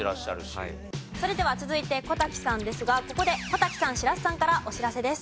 それでは続いて小瀧さんですがここで小瀧さん白洲さんからお知らせです。